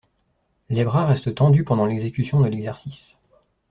Les bras restent tendus pendant l'exécution de l'exercice.